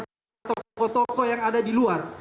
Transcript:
tokoh tokoh yang ada di luar